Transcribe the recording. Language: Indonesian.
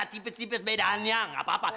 tepis tepis bedaannya gak apa apa